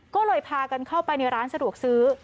ก็เลยพากันเข้าไปในร้านสะดวกซื้อ